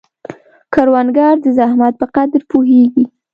کروندګر د زحمت په قدر پوهیږي